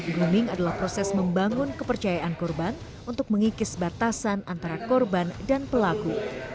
booming adalah proses membangun kepercayaan korban untuk mengikis batasan antara korban dan pelaku